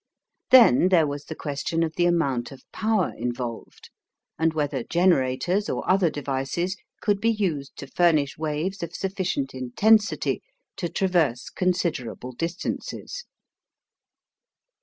Then there was the question of the amount of power involved and whether generators or other devices could be used to furnish waves of sufficient intensity to traverse considerable distances.